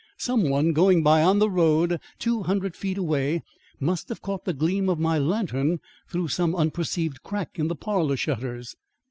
Some one going by on the road two hundred feet away must have caught the gleam of my lantern through some unperceived crack in the parlour shutters.